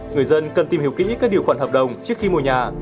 người dân cần tìm hiểu kỹ các điều khoản hợp đồng trước khi mua nhà